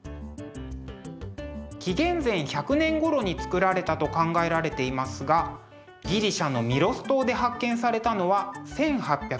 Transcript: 紀元前１００年ごろに作られたと考えられていますがギリシャのミロス島で発見されたのは１８２０年。